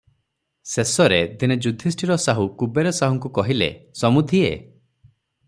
ଶେଷରେ ଦିନେ ଯୁଧିଷ୍ଠିର ସାହୁ କୁବେର ସାହୁଙ୍କୁ କହିଲେ, "ସମୁଧିଏ!